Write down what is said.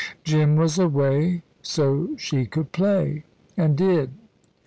Jim was away, so she could play and did.